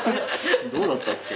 どうだったっけ？